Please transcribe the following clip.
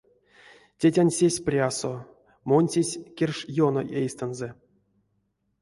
Тетянсесь — прясо, монсесь — керш ёно эйстэнзэ.